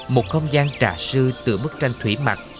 một không gian tà sư tựa mức tranh thủy mặt